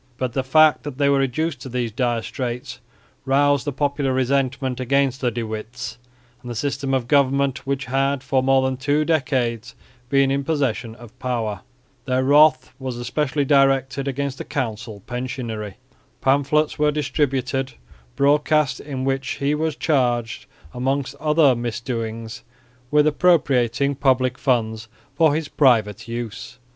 But the fact that they were reduced to these dire straits roused the popular resentment against the De Witts and the system of government which had for more than two decades been in possession of power. Their wrath was especially directed against the council pensionary. Pamphlets were distributed broadcast in which he was charged amongst other misdoings with appropriating public funds for his private use.